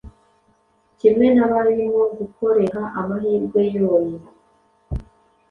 Kimwe nabarimo gukoreha amahirwe yoe